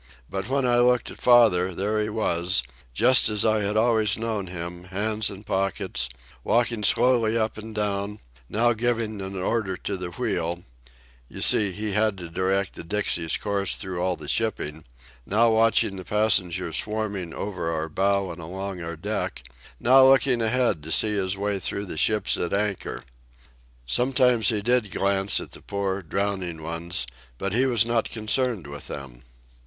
But when I looked at father, there he was, just as I had always known him, hands in pockets, walking slowly up and down, now giving an order to the wheel—you see, he had to direct the Dixie's course through all the shipping—now watching the passengers swarming over our bow and along our deck, now looking ahead to see his way through the ships at anchor. Sometimes he did glance at the poor, drowning ones, but he was not concerned with them.